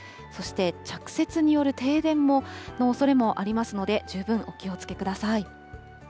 そして、着雪による停電のおそれもありますので、十分お気をつけください。